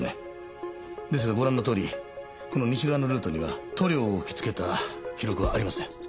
ですがご覧のとおりこの西側のルートには塗料を吹きつけた記録はありません。